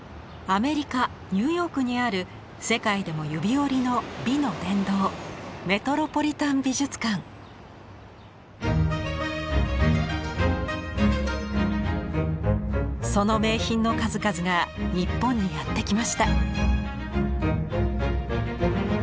アメリカニューヨークにある世界でも指折りの美の殿堂その名品の数々が日本にやって来ました。